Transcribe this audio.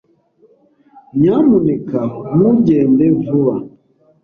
Nyamuneka ntugende vuba.